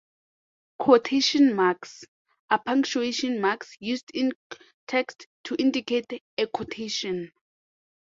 Quotation marks are punctuation marks used in text to indicate a quotation.